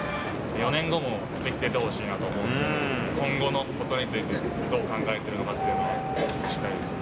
４年後もぜひ出てほしいなと思うんで、今後のことについて、どう考えてるのかっていうのは聞きたいですね。